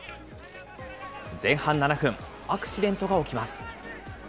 前半７分、アクシデントが起きます。